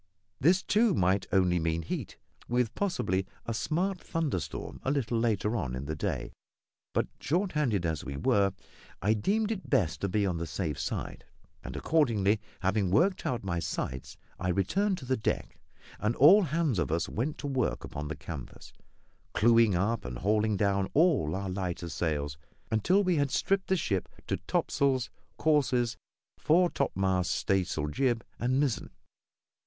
This, too, might only mean heat, with possibly a smart thunderstorm a little later on in the day; but, short handed as we were, I deemed it best to be on the safe side; and accordingly, having worked out my sights, I returned to the deck, and all hands of us went to work upon the canvas, clewing up and hauling down all our lighter sails, until we had stripped the ship to topsails, courses, fore topmast staysail, jib, and mizzen.